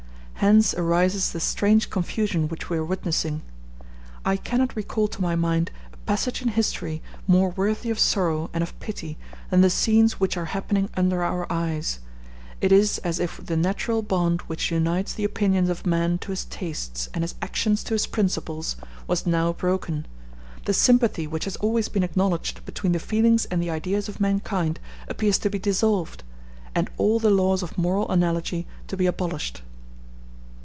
Hence arises the strange confusion which we are witnessing. I cannot recall to my mind a passage in history more worthy of sorrow and of pity than the scenes which are happening under our eyes; it is as if the natural bond which unites the opinions of man to his tastes and his actions to his principles was now broken; the sympathy which has always been acknowledged between the feelings and the ideas of mankind appears to be dissolved, and all the laws of moral analogy to be abolished.